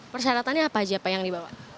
persyaratannya apa aja pak yang dibawa